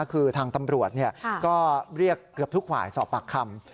คือทางตำรวจก็เรียกเกือบทุกฝ่ายสอบปากคำ